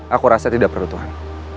aku rasa tidak perlu tuhan